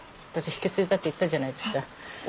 引き継いだって言ったじゃないですか。